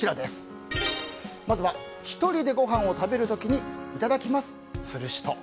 まずは１人でごはんを食べる時に「いただきます」する人。